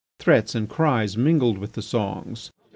Threats and cries mingled with the songs.